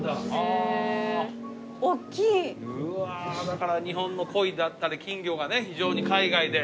だから日本のコイだったり金魚がね非常に海外で。